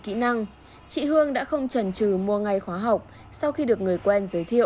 kỹ năng chị hương đã không trần trừ mua ngay khóa học sau khi được người quen giới thiệu